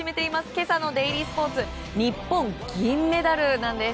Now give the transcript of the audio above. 今朝のデイリースポーツ日本、銀メダルなんです。